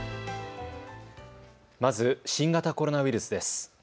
まず新型コロナウイルスです。